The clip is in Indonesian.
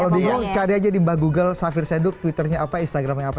kalau bingung cari aja di mbah google safir seduk twitternya apa instagramnya apa